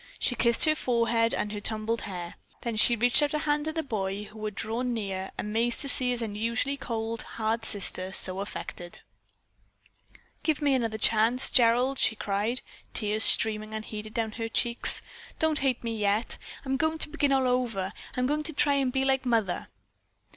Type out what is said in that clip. She kissed her forehead and her tumbled hair. Then she reached out a hand to the boy, who had drawn near amazed to see his usually cold, hard sister so affected. "Give me another chance, Gerald!" she cried, tears streaming unheeded down her cheeks. "Don't hate me yet. I'm going to begin all over. I'm going to try to be like mother."